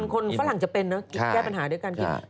คนฝรั่งจะเป็นนะแก้ปัญหาด้วยการกิน